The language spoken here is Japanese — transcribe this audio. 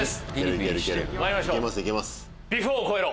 ビフォーを超えろ！